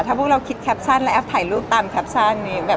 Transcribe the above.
ถ้าพวกเราคิดแคปชั่นและแอปถ่ายรูปตามแคปชั่นนี้